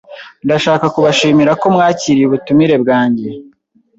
Ndashaka kubashimira ko mwakiriye ubutumire bwanjye.